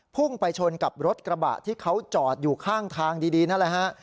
พุ่งไปชนกับรถกระบะที่เขาจอดอยู่ข้างทางดีนั่นแหละฮะ